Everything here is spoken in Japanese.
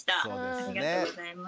ありがとうございます。